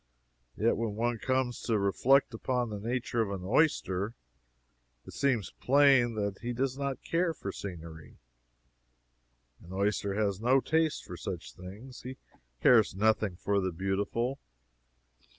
Yet when one comes to reflect upon the nature of an oyster, it seems plain that he does not care for scenery. An oyster has no taste for such things; he cares nothing for the beautiful.